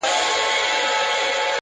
• د تورو سترگو وه سورخۍ ته مي ـ